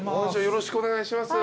よろしくお願いします。